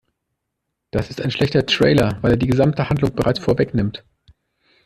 Das ist ein schlechter Trailer, weil er die gesamte Handlung bereits vorwegnimmt.